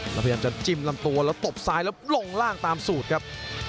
แล้วพยายามจะจิ้มลำตัวแล้วตบซ้ายแล้วลงล่างตามสูตรครับ